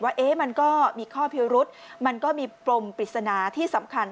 ว่ามันก็มีข้อพิรุษมันก็มีปมปริศนาที่สำคัญ